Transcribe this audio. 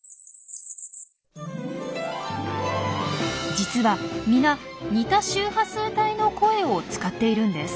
実は皆似た周波数帯の声を使っているんです。